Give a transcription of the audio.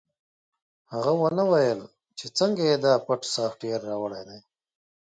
هغه ونه ویل چې څنګه یې دا پټ سافټویر راوړی دی